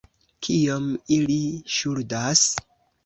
Kiom ili ŝuldas?